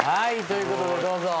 ということでどうぞ。